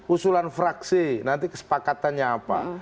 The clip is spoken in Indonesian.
usulan fraksi nanti kesepakatannya apa